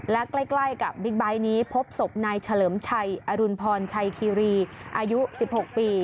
และใกล้กับบิ๊กไบท์นี้พบศพนายเฉลิมชัยอรุณพรชัยคีรีอายุ๑๖ปี